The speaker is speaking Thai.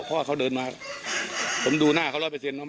เพราะว่าเขาเดินมาผมดูหน้าเขาร้อยเปอร์เซ็น